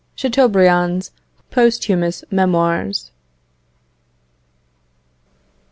Chateaubriand's Posthumous Memoirs.